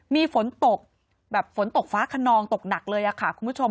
มีฝนตกแบบฝนตกฟ้าขนองตกหนักเลยค่ะคุณผู้ชม